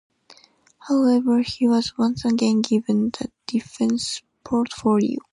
However, he was once again given the defence portfolio.